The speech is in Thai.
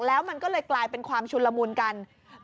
แล้วมันก็เลยกลายเป็นความชุนละมุนกัน